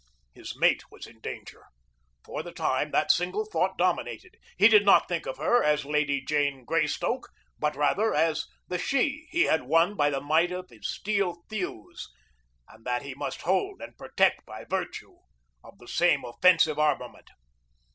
His mate was in danger. For the time, that single thought dominated. He did not think of her as Lady Jane Greystoke, but rather as the she he had won by the might of his steel thews, and that he must hold and protect by virtue of the same offensive armament.